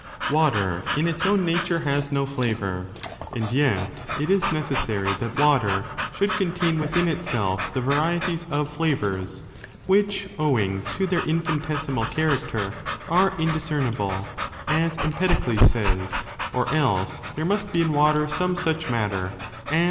* Water in its own nature has no flavour. And yet it is necessary that water should contain within itself the varieties of flavours, which owing to their infini tesimal character are indiscernible, as Empedocles^ says, or else there must be in water some such matter as is 1 De an, 4206 32.